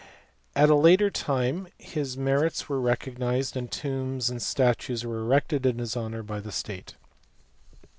At a later time his merits were recognized, and tombs and statues erected in his honour by the state.